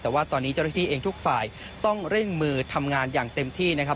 แต่ว่าตอนนี้เจ้าหน้าที่เองทุกฝ่ายต้องเร่งมือทำงานอย่างเต็มที่นะครับ